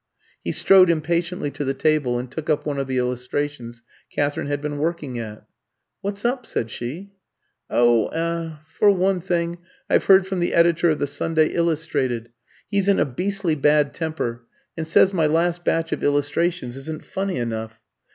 He strode impatiently to the table and took up one of the illustrations Katherine had been working at. "What's up?" said she. "Oh er for one thing, I've heard from the editor of the 'Sunday Illustrated.' He's in a beastly bad temper, and says my last batch of illustrations isn't funny enough.